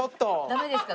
ダメですか？